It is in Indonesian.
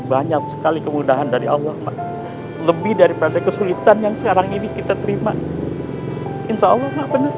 banyak sekali kemudahan dari allah lebih daripada kesulitan yang sekarang ini kita terima insyaallah